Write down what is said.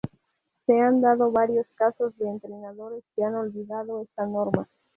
Se han dado varios casos de entrenadores que han olvidado esta norma.